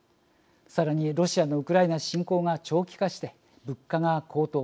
さらに、ロシアのウクライナ侵攻が長期化して物価が高騰。